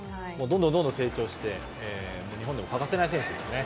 どんどん成長して日本に欠かせない選手です。